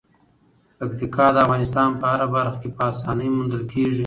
پکتیکا د افغانستان په هره برخه کې په اسانۍ موندل کېږي.